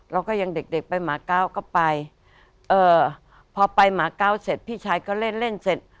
เราก็ยังเด็กไปหมาเก้าก็ไปพอไปหมาเก้าเสร็จพี่ชายก็เล่นเสร็จ